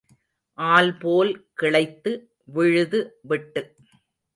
ஆல்போல் கிளைத்து விழுது விட்டு.